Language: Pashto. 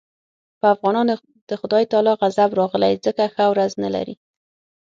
په افغانانو د خدای تعالی غضب راغلی ځکه ښه ورځ نه لري.